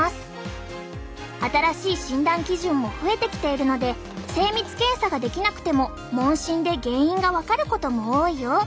新しい診断基準も増えてきているので精密検査ができなくても問診で原因が分かることも多いよ。